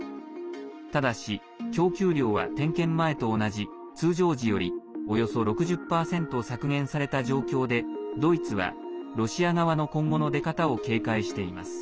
ただし、供給量は点検前と同じ通常時よりおよそ６０％削減された状況でドイツは、ロシア側の今後の出方を警戒しています。